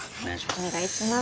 お願いします